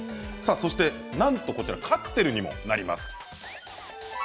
そしてなんとカクテルにもなります。